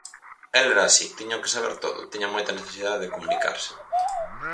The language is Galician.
El era así, tíñao que saber todo, tiña moita necesidade de comunicarse.